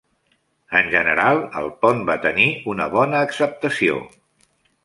En general el pont va tenir una bona acceptació.